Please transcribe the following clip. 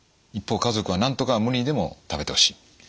一方家族はなんとか無理にでも食べてほしい。